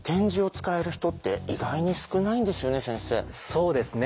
実はそうですね。